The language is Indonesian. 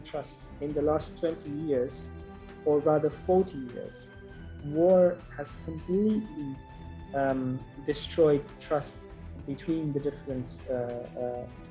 perang telah membuat pengingatan antara kelompok berbeda